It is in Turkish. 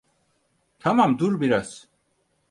Tamam, dur biraz.